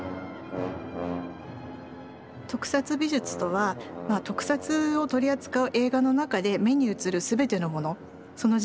特撮美術とは特撮を取り扱う映画の中で目に映る全てのもの。